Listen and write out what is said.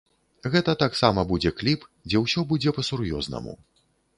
Гэта таксама будзе кліп, дзе ўсё будзе па-сур'ёзнаму.